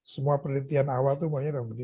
semua penelitian awal itu mohonnya dong